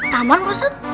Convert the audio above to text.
taman pak ustadz